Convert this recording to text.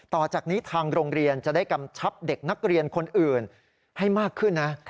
ต่อจากนี้ทางโรงเรียนจะได้กำชับเด็กนักเรียนคนอื่นให้มากขึ้นนะ